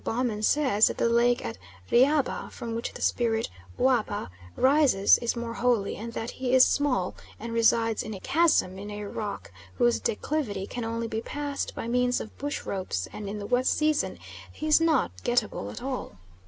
Baumann says that the lake at Riabba from which the spirit Uapa rises is more holy, and that he is small, and resides in a chasm in a rock whose declivity can only be passed by means of bush ropes, and in the wet season he is not get at able at all.